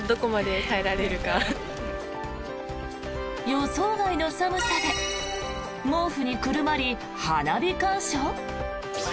予想外の寒さで毛布にくるまり花火鑑賞？